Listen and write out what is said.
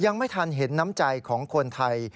ยังไม่ทันเห็นน้ำใจของคนไทย